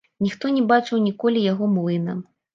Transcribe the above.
Ніхто не бачыў ніколі яго млына.